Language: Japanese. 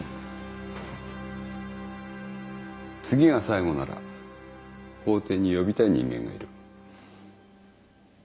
次が最後なら法廷に呼びたい人間がいる。